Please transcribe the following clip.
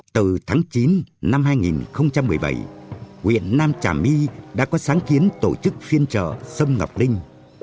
từ tháng chín năm hai nghìn một mươi bảy huyện nam trà my đã có sáng kiến tổ chức phiên chợ sâm ngọc linh